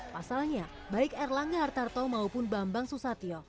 pasalnya baik erlangga hartarto maupun bambang susatyo